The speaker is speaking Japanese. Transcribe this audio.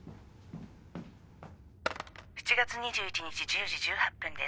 ☎「７月２１日１０時１８分です」